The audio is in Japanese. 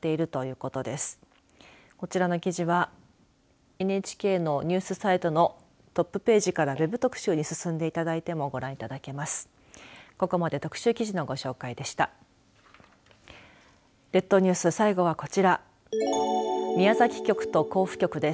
こちらの記事はＮＨＫのニュースサイトのトップページからＷＥＢ特集に進んでいただいてもご覧いただけます。